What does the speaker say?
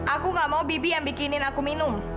aku gak mau bibi yang bikinin aku minum